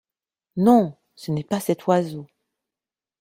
Non, ce n'est pas cet oiseau!